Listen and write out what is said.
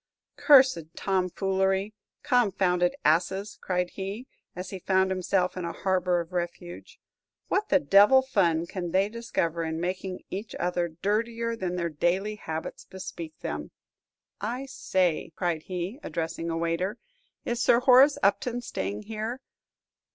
"Cursed tomfoolery! Confounded asses!" cried he, as he found himself in a harbor of refuge. "What the devil fun can they discover in making each other dirtier than their daily habits bespeak them? I say," cried he, addressing a waiter, "is Sir Horace Upton staying here?